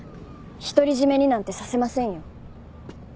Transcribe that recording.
独り占めになんてさせませんよ。